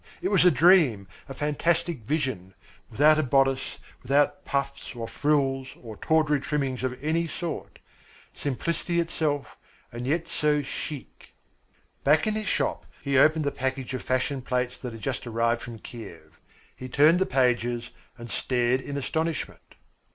It was a dream, a fantastic vision without a bodice, without puffs or frills or tawdry trimmings of any sort. Simplicity itself and yet so chic. Back in his shop he opened the package of fashion plates that had just arrived from Kiev. He turned the pages and stared in astonishment.